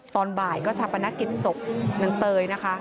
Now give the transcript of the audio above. ตอนบ่ายก็ชาปนกิจศพนางเตยนะคะ